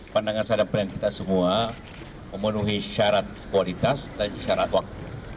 pandangan sadar pelayanan kita semua memenuhi syarat kualitas dan syarat waktu